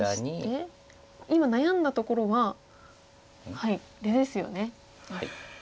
今悩んだところは出ですよね。